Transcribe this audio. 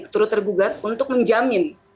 turut tergugat untuk menjamin